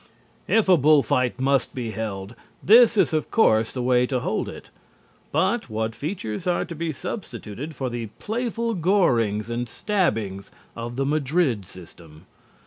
If a bull fight must be held, this is of course the way to hold it, but what features are to be substituted for the playful gorings and stabbings of the Madrid system?